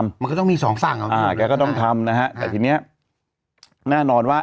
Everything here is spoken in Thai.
มันก็ต้องมีสองฝั่งอ่ะอ่าแกก็ต้องทำนะฮะแต่ทีเนี้ยแน่นอนว่า